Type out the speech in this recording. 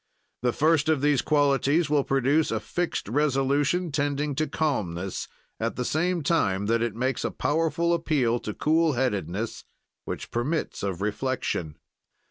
"The first of these qualities will produce a fixt resolution tending to calmness, at the same time that it makes a powerful appeal to cool headedness, which permits of reflection.